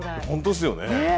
本当っすよね。